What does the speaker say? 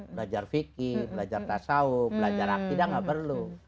belajar fikir belajar tasawuf belajar akhidat tidak perlu